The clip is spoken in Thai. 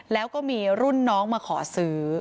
แล้วก็มีรุ่นน้องมาขอซื้อ